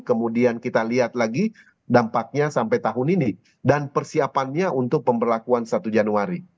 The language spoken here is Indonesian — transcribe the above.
kemudian kita lihat lagi dampaknya sampai tahun ini dan persiapannya untuk pemberlakuan satu januari